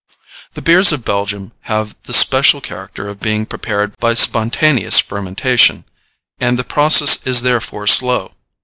The beers of Belgium have the special character of being prepared by spontaneous fermentation, and the process is therefore slow.